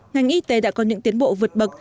ngành y tế đã có những tiến bộ vượt bậc